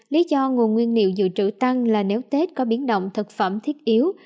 lý do nguồn nguyên liệu dự trữ tăng là nếu tết có biến động thực phẩm thiết yếu